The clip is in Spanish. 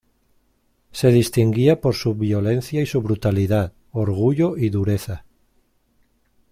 Se distinguía por su violencia y su brutalidad, orgullo y dureza.